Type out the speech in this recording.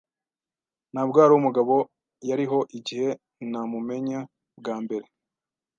Ntabwo arumugabo yariho igihe namumenya bwa mbere.